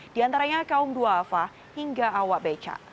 di antaranya kaum duafa hingga awab echa